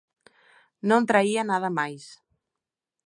Non traía nada máis.